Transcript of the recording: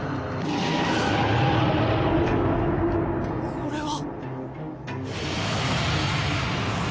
これは？